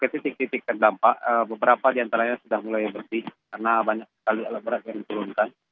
terdampak beberapa di antara yang sudah mulai bersih karena banyak sekali alat barat yang diturunkan